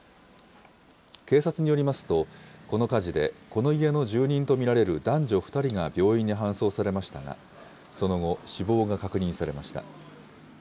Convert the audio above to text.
警察によりますと、この火事でこの家の住人と見られる男女２人が病院に搬送されましたが、その後、死亡が確認されました。